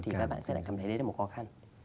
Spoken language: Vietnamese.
thì các bạn sẽ cảm thấy đấy là một khó khăn